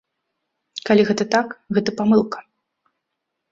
Калі гэта так, гэта памылка.